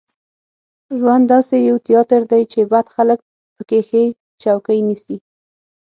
ژوند داسې یو تیاتر دی چې بد خلک په کې ښې چوکۍ نیسي.